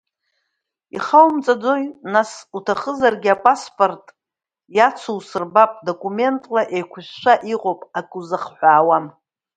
Ихоумҵаӡои нас, уҭахызаргьы апаспорт иацу усырбап, документла еиқәышәшәа иҟоуп, ак узахҳәаауам.